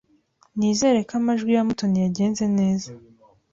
Nizere ko amajwi ya Mutoni yagenze neza.